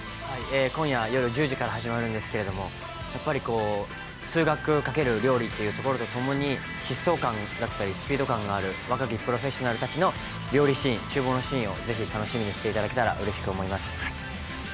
今夜夜１０時から始まるんですけれども数学×料理というところの疾走感だったりスピード感がある若きプロフェッショナルたちの料理シーン、ちゅう房シーンをぜひ楽しみにしていただけたらうれしく思います。